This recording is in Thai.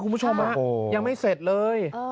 คุณผู้ชมฮะยังไม่เสร็จเลย